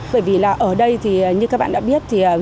bởi vì ở đây như các bạn đã biết